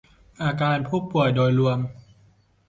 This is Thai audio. อาการผู้ป่วยโดยรวม